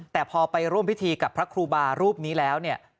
แต่พอไปร่วมพิธีกับพระครูบารูปนี้แล้วเนี่ย